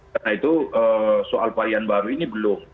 karena itu soal varian baru ini belum